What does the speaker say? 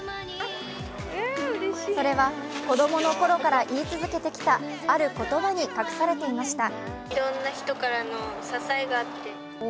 それは、子供の頃から言い続けてきたある言葉に隠されていました。